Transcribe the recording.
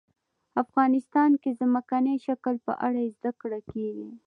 افغانستان کې د ځمکنی شکل په اړه زده کړه کېږي.